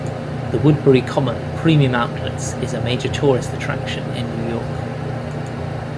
The Woodbury Common Premium Outlets is a major tourist attraction in New York.